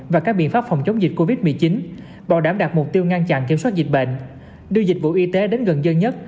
và các biện pháp phòng chống dịch covid một mươi chín bảo đảm đạt mục tiêu ngăn chặn kiểm soát dịch bệnh đưa dịch vụ y tế đến gần dân nhất